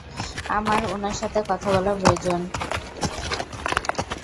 আমার উনার সাথে কথা বলা প্রয়োজন।